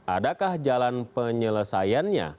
adakah jalan penyelesaiannya